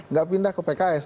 nggak pindah ke pks